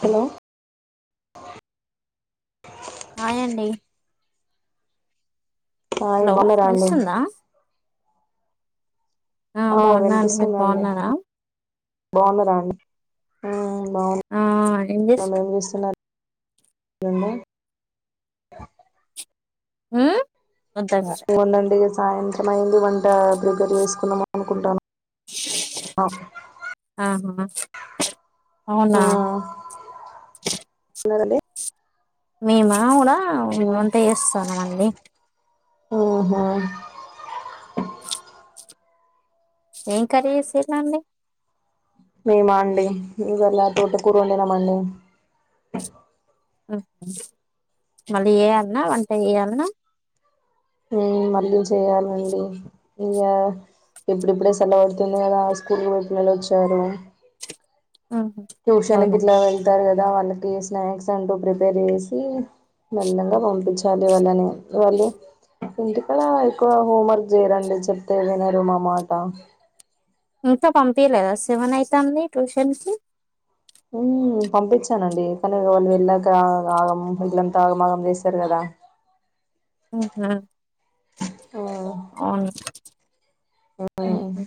Hello hi అండి hi hello బాన్నర అండి వినిస్తుందా ఆ బావున్నా అండి మీరు బావున్నారా బావున్నరా అండి బావు ఆ న్నాం ఏం చేస్తున్నారు ఎండి మ్మ్ వన్ అండ్ డేస్ సాయంత్రం అయింది వంట ప్రిపేర్ చేసుకున్నామ అనుకుంటాను ఆ ఆహా అవునా తిన్నారండి మేమా అవుడా ఉమ్ వంటే చేస్తాను అవన్నీ ఉహు మ్మ్ ఏం కర్రీ చేసిర్రు అండి మేమ అండి ఇవాళ తోట కూర వండినమండి మళ్ళీ ఏయల్న వంట చెయ్యల్న మ్మ్ మళ్ళీ చెయాలండి ఇక ఇప్పుడిప్పుడే సెల పడుతుంది కదా స్కూల్కి పోయయి పిల్లలు వచ్చారు ఉహు అవునా ట్యూషన్కిట్లా వెళ్తారు కదా ద వాళ్ళకి స్నాక్స్ అంటూ ప్రిపేర్ చేసి మెల్లగా పంపించాలి వాళ్ళని వాళ్ళు ఇంటికాడ ఎక్కువ హోమ్వర్క్ చేయరండి చెప్తే వినరు మా మాట ఇంకా పంపిలేదా సెవెన్ అయితంది ట్యూషన్ కి మ్మ్ పంపించానండి కానీ వాళ్ళు వెళ్ళాక ఆగం మిగిలంతా ఆగమాగం చేశారు కదా ఊన మ్మ్ అవునండి మ్మ్ ఓకె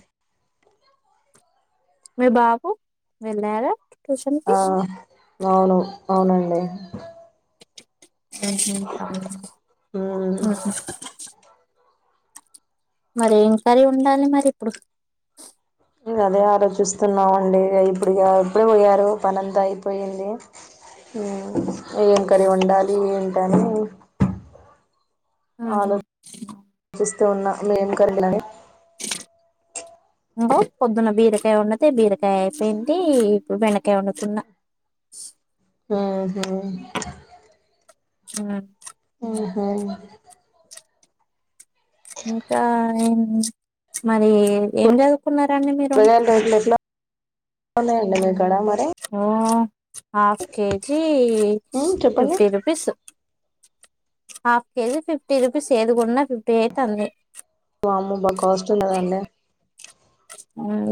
మీ బాబు వెళ్ళారా ట్యూషన్ కి ఆ అవును. అవునండి మ్మ్ అవునా మరి ఏం కర్రీ వండాలె మరి ఇప్పుడు అదే ఆలోచిస్తున్నామండి ఇప్పుడిగా ఇప్పుడే పోయారు పనంతా అయిపోయింది ఏం కర్రీ వండాలి ఏంటని ఆహ స్తు ఉన్నా ఏం కర్రీ అని నువు పొద్దున్న బీరకాయ వండతే బీరకాయ అయిపోయింది ఇప్పుడు బెండకాయ వండుతున్న మ్ హ్ మ్ మ్ హ్ ఇంకా ఏం మరి ఏం చదు కున్నరండి మీరు కూరగాయల రేట్లు ఎట్లా ఉన్నాయండి మీ కాడ మరి ఆ హాఫ్ కేజీ కి ఉమ్ చెప్పండి fifty rupees half KG fifty rupees ఏది కొన్నా ఫిఫ్టీ అయితాంది. వామ్మో బా కాస్ట్ ఉన్నదండి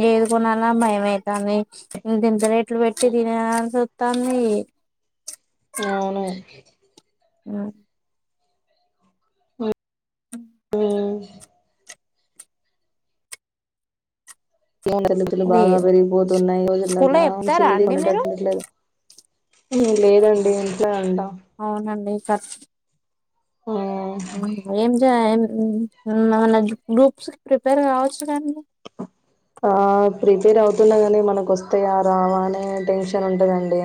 ఏది కొనాలన్నా భయమే కానీ ఇంతింత రేట్లు పెట్టి తినే ఆ చూత్త తన్ని అవును మ్ మ్ ఏమో ఖర్చులు అది బాగా పెరిగిపోతున్నాయి స్కూల్లో రోజుల్లలా చెప్తారా మంచియేది అండి మీరు వండేటట్లు లేదు లేదండి ఇంట్లో ఉంటం అవునండి సస్ ఉమ్ ఆ ఏం గ్రూప్స్కి ప్రిపేర్ కావచ్చుగా అండి ఆ ప్రిపేర్ అవుతున్నా కనీ మనకు వస్తాయా రావా అనే టెన్షన్ ఉంటదండి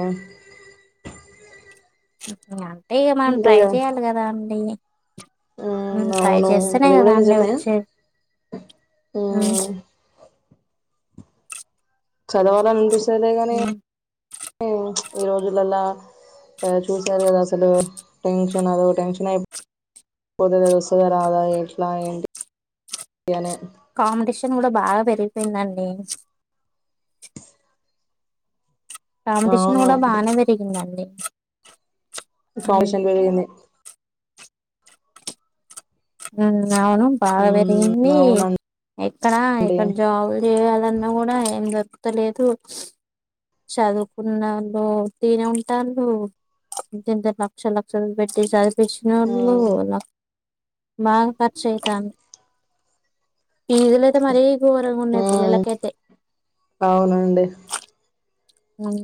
రాన్ టే ఇగ మనం ట్రై చేయాలి కదా అండి ఉమ్ ట్రై అవును చేస్తేనే అది కదా కూడా అండి నిజమే వచ్చేది మ్ ఉమ్ చదవాలన్ అనిపి అదే గాని హ్మ్. ఈ రోజుల్లలా చూసారు కదా అసల్ టెన్షన్ అదో టెన్షన్ అయిపోతద వస్తుందా రాదా ఎట్లా ఏంటి అనే ను కూడా బాగా పెరిగిపోయిందండి కాంపిటీషన్ అవును కూడా బాగానే పెరిగిందండి ఇంకా హ్మ్. ఆడిషన్ పెరిగింది ఉమ్ అవును బాగా ఉమ్ పెరిగింది అవునండి ఎక్కడ ఎక్కడ జాబులు చేయాలన్నా కూడా నా ఏం దప్పతలేదు చదువుకున్నళ్ళు ఇనే ఉంటారు ఇంత ఇంత లక్ష లక్షలు పెట్టి చదువు పిష్నోళ్ళు ఉమ్ మాన్ కూర్చు అయితంది ఈ ఇదిలో అయితే మరీ ఘోరంగా ఉన్నాయి ఉమ్ పిల్లలకైయితే అవునండి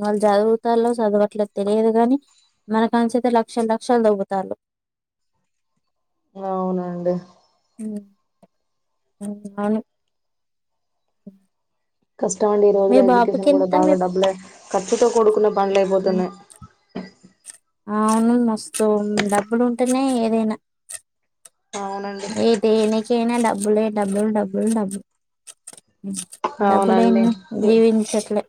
వాళ్ళు చదువుతళ చదవట్లేదు తెలియదు గాని మన కనించితే లక్షల లక్షలు దుబ్బుతారు అవునండి ఉమ్ [unintelligible] [inaudible] కష్టం అండి ఈ మీ రోజుల బాబుకి ఎడ్యుకేషన్ కూడా ఎంత మీ బాగా డబ్బులే ఖర్చుతో కూడుకున్న పనులు ఉమ్, అయిపోతున్నాయి అవును మస్తు సో డబ్బలు టనే ఏదైనా అవునండి ఏది నేను చెయ్యనేలే డబ్బులే డబుల్ డబుల్ డబుల్ అవునండి డబ్బులేందే జీవించట్లే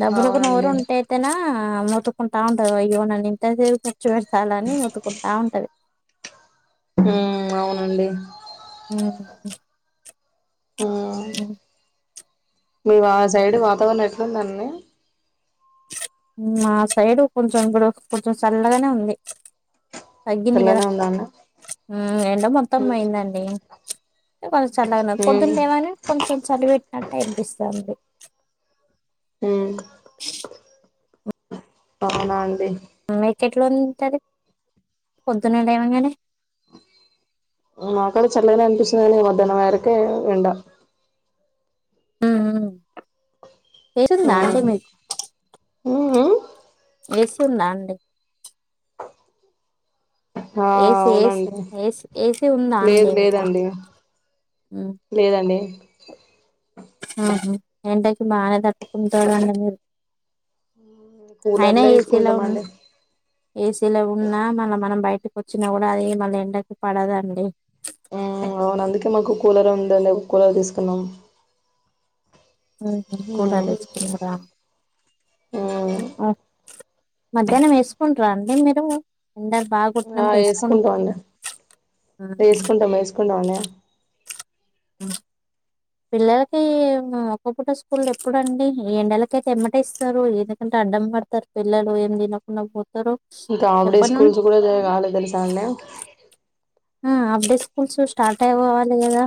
డబ్బులకు నోరు అవునండి ఉంటే అయితేనా ఆ మొత్తుకుంట ఉంటారు ఇవ్వనని తనేం ఖర్చు పెడతాలని మొత్తికుంటా ఉంటాదు ఉమ్ అవునండి ఉమ్ ఉమ్ ఉమ్. మీ వా సైడ్ వాతావరణం ఎట్లాందండి మా సైడు కొంచెం ఇప్పుడు కొంచెం చల్లగానే ఉంది తగ్గింది కదా చల్లనే ఉందా అండి ఉమ్ ఎండ మొత్తం పోయిందిండి కొంత చల ఉమ్ పొద్దున్నలేమని కొంచెం చలి పెట్టినట్టటు అనిపిస్తుంంది ఉమ్ ఆవునా అండి మీక ఎట్లా ఉంటుది పొద్దున్న లేవంగానే మా కాడా చెల్లగనే అనిపిస్తుంది గానీ మధ్యానం అయ్యరికే ఎండ ఆ ఆ ఎసుందా అండి ఉమ్ మిక్ ఉహు వేసిందా అండి ఆ ఏసీ ఏసీ అవునండి ఏసీ ఏసీ ఉందా లేదు అండి మీకు లేదండి లేదండి ఆహా ఎండకి బానే తట్టుకుంటారండి మీరు అయినా కూలర్లో ఏసీలో ఉన్ వేసుకుంటామండి ఏసీలో ఉన్నా మళ్ళ మనం బయట్ ఇంటికొచ్చినా కూడా అది మళ్ళ ఎండకి పడదండి మ్మ్ అవును అందుకే మాకు కూలర్ ఉండలేవ్ కూలర్ తీసుకున్నాం మ్మ్ హ్మ్ కూలర్ ఉమ్ తెచ్చుకున్నారా ఉమ్ మ్మ్ మధ్యాహ్నం వేసుకుంటరా అండి మీరు ఎండలు బాగా ఆ కొట్టినప్పుడు వేసుకుంట ఏసుకుంటామండి ఏసుకుంటాం ఏసుకుంటామండి అ పిల్లలకి ఒక్క పూట స్కూల్ ఎప్పుడండి ఎండలకయితే ఎమ్మట ఇస్తారు ఎందుకంటే అడ్డం పడతారు పిల్లలు ఏ తినకుండా పో ఇంకా హాఫ్డే స్కూల్స్ కూడా జ కాలే తెల్సా అండి ఆ హాఫ్డే స్కూల్స్ స్టార్ట్ అయిపోవాలి కదా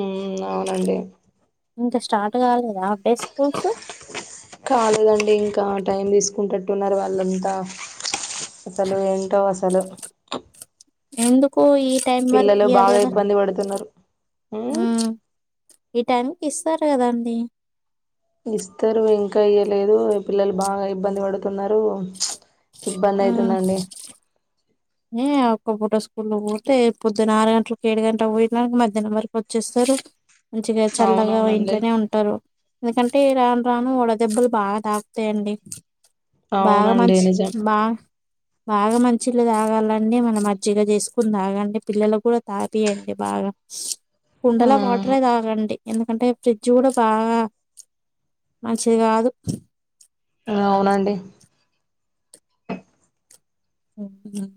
మ్మ్ అవునండి ఇంకా స్టార్ట్ కాలే కాలేదండి ఇంకా టైం తీసుకుంటట్టున్నారు వాళ్ళంతా అసలు ఏంటో అసలు ఎందుకో ఈ టైం వరకు పిల్లలు ఇయ్యాలి బాగా కదా ఇబ్బంది పడుతున్నరు మ్మ్ ఉమ్ ఈ టైంకి ఇస్తారు కదండి ఇస్తారు ఇంకా ఇయలేదు పిల్లలు బాగా ఇబ్బంది పడుతున్నారు ఇబ్బంది మ్మ్ అయితుందండి ఏ అప్ ఒక్క పూట స్కూల్లో పోతే పొద్దున ఆరు గంటలకు ఏడు గంట పోయిన మధ్యాహ్నం వరకు వచ్చేస్తారు మంచిగా చల్లగా అవునవునండి ఇంట్లోనే ఉంటారు ఎందుకంటే రాను రాను వడ దెబ్బలు బాగా తాకుతాయండి అవునండి నిజం బ బాగా మంచిళ్ళ తాగాలండి మనం మజ్జిగా చేసుకుని తాగండి పిల్లలు కూడా తాపియండి బాగా కుండల ఉమ్ వాటరే తాగండి ఎందుకంటే ఫ్రిడ్జ్ కూడా బాగా మంచిది కాదు అవునండి మ్మ్ హ్మ్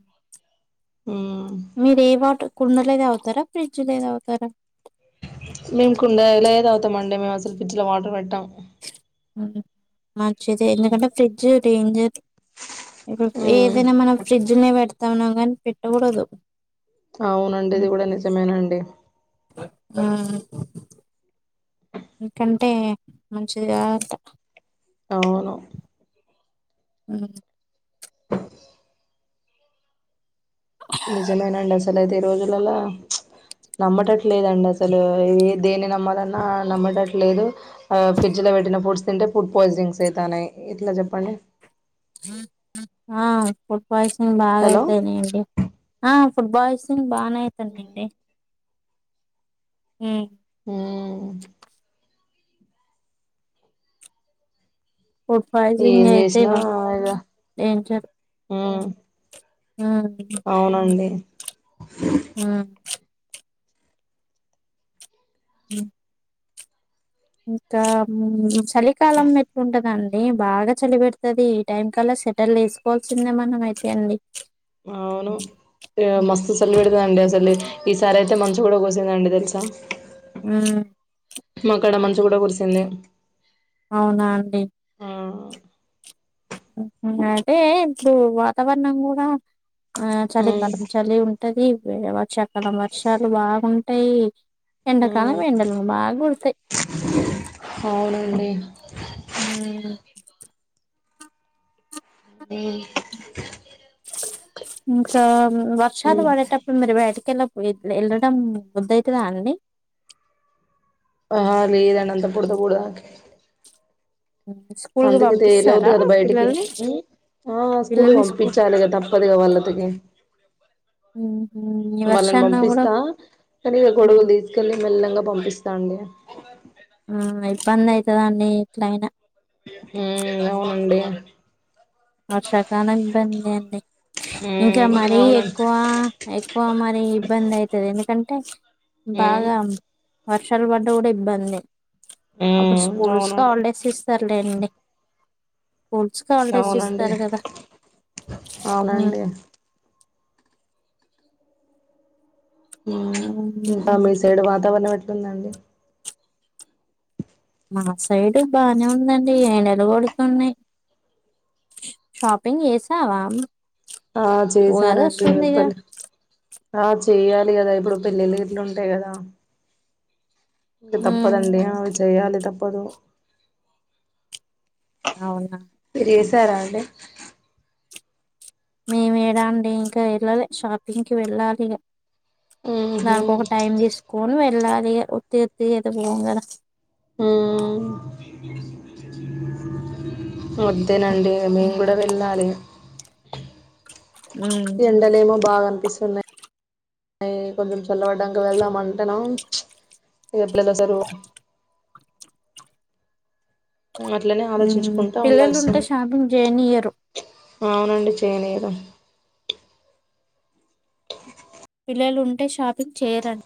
ఉమ్ మీరు ఏ వాటు కుండలోవి తాగుతరా ఫ్రిడ్జ్ లోవి తాగుతరా మేము కుండలే తాగుతమండి అండి మేము అసలు ఫ్రిడ్జ్ లో వాటర్ పెట్టం మ్మ్ హ్మ్ మంచిది ఎందుకంటే ఫ్రిడ్జ్ డేంజర్ అది. ఇప్పుడు ఉమ్ ఏదైనా మనం ఫ్రిజ్జుల్నే పెడు తవునంగాని పెట్టకూడదు. అవునండి ఇది కూడా నిజమేనండి. ఆహ్. ఎందుకంటే మంచిది కాదంట. అవును. ఉమ్ అసలుయితే ఈ రోజులలో ప్చ్ నమ్మేటట్లేదండి అసలు ఏ దేన్ని నమ్మాలన్నా నమ్మేటట్లేదు ఫ్రిడ్జ్ లో పెట్టిన ఫుడ్స్ తింటే ఫుడ్ పాయిజనింగ్స్ అయిత ఉన్నాయి ఎట్లా చెప్పండి. ఆహ్. మోషన్స్ బాగా హలో అయితున్నాయి అండి ఆహ్. ఫుట్బల్ సింగ్. బానేవుతునయండి. ఆహ్ ఉమ్మ్. ఫుడ్ ఫైజింగ్ ఏం చేసినా అయితేవా డేంజర్. ఉమ్. ఉమ్ అవునండి. ఉమ్ ప్చ్. ఉమ్ ఇంకా చలికాలం ఎట్లుంటదండి బాగా చలి పెడ్తది ఈ టైం కల్లా సెటిల్ ఎసుకోవాల్సిందే మనం అయితే అండి అవును ఉమ్ మస్త్ సలి పెడదండి అసలు. ఈసారి అయితే మంచు కూడా పోసిందండి తెలుసా. ఉమ్. మాక్కడ మంచు కూడా కురిసింది. అవునా అండి. ఆ అయితే ఇప్పుడు వాతావరణం గుడా. ఆహ్ మ్మ్ చలికాలం చలి ఉంటది. వేరే వ చక్కన వర్షాలు బాగుంటాయి. ఎండ కాలం మ్మ్ ఎండలు బాగోడ్తయ్. అవునండి ఉమ్. ఈ ఇంక వర్షాలు మ్మ్ పాడెటప్పుడు మీరు బయట్కేల. విద్ వెళ్ళడం బుద్ధి ఐతదా అండి. ఆహ్ లేదు అండి అంతా బూడద బూడద. స్కూల్ కి అందుకెతేలవదు పంపిస్తారా కదా బయటికి పిల్లల్ని ఆహ్ స్కూల్ కి పంపించాలి కదా తప్పదుగాద వాళ్ళకి. ఈ వాళ్ళని వర్షాన్న కూడా పంపిస్తా కానీ ఎక్కడో తీసుకెల్లి మెల్లంగా పంపిస్తా అండి. ఆ ఇబ్బందైతదండి ఎట్లయినా మ్మ్ అవునండి. వర్షాకాలం ఇబ్బంది అండి ఇంకా ఉమ్ మరీ అవునండి ఎక్కువ ఎక్కువ మరీ ఇబ్బందైతది ఎందుకన్ టె ఉమ్ బాగాం వర్షాలు పడ్డా కూడ ఇబ్బందె. అప్పుడు ఉమ్ స్కూల్స్ కు అవునండి ఆల్డేస్ ఇస్ సర్లేండి స్కూల్స్ కు హాలిడేస్ ఇస్ డి అవునండి. మ్మ్ మి తమిళ్ సైడ్ వాతావరణం ఎట్ల టుందండి. మా సైడ్ బానే ఉందండి ఏండలు కొడుతున్నాయ్. షాపింగ్ చేసావా? ఆ ఉగాది చేసానండి వస్తుందిగా ఎప్పల్ ఆ చెయ్యాలి గదా ఇప్పుడు పెళ్ళిళ్ళు గిట్ల ఉంటాయి కదా! ఇంగ ఉమ్ తప్పదండి ఆవచ్ చేయాలి తప్పదు అవునా ఏసారా అండి మేమేడ అండి ఇంకా ఎల్లలా షాపింగ్కి వెళ్ళాలిగ. ఉహు దానికి ఒక టైమ్ తీసుకొని వె ఇలాగేయే ఒత్తి ఉత్తి ఎత్తుకుపోవం కదా! ఆ అబ్ అంతేనండి మేము ఉమ్ కూడ వెళ్ళాలి. ఉమ్ ఈ ఎండలేమో బాగనిపిస్ తన్న మ్ కొంచం చల్లబడ్డంక వెళ్దమంటనా ఇగ పిల్లల సదువు అట్లనే మ్మ్ ఆలోచించుకుంటా పిల్లలుంటె ఉండాల్సింది షాపింగ్ చేయనీయరు. అవునండి చేయనీరు. పిల్లలుంటే షాపింగ్ చేయరన్